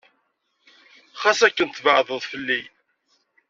Xas akken tbeɛdeḍ fell-i.